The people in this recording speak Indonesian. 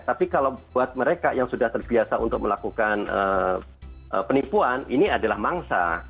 tapi kalau buat mereka yang sudah terbiasa untuk melakukan penipuan ini adalah mangsa